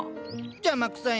邪魔くさいな。